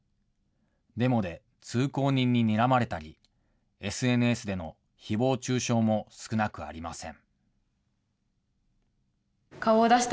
デモで通行人ににらまれたり、ＳＮＳでのひぼう中傷も少なくありません。